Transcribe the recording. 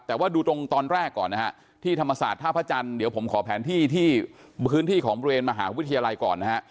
แต่ว่าดูตรงตอนแรกก่อนนะฮะที่ธรรมศาสตร์ท่าพระจันทร์เดี๋ยวผมขอแผนที่ที่พื้นที่ของบริเวณมหาวิทยาลัยก่อนนะฮะ